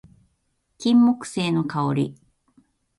金木犀の香り